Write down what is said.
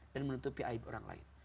dan menutupi aib orang lain